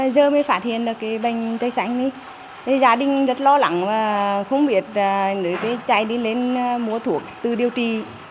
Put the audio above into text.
gia đình rất lo lắng và không biết nếu chạy đến mua thuốc tự điều trị